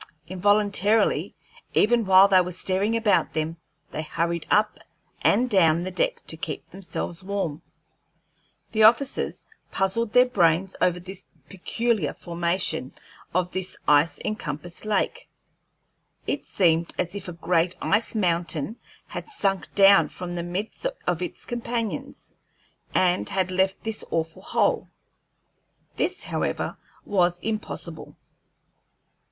Involuntarily, even while they were staring about them, they hurried up and down the deck to keep themselves warm. The officers puzzled their brains over the peculiar formation of this ice encompassed lake. It seemed as if a great ice mountain had sunk down from the midst of its companions, and had left this awful hole. This, however, was impossible.